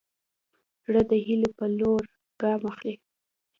زړه د هيلو په لور ګام اخلي.